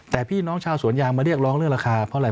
แต่พี่น้องชาวสวนยางมาเรียกร้องเรื่องราคาเพราะอะไร